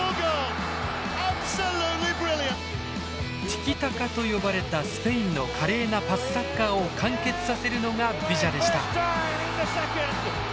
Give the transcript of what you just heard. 「ティキタカ」と呼ばれたスペインの華麗なパスサッカーを完結させるのがビジャでした。